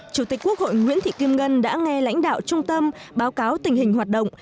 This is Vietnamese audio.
chủ tịch quốc hội nguyễn thị kim ngân đã nghe lãnh đạo trung tâm báo cáo tình hình hoạt động